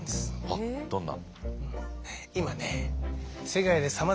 あっどんな？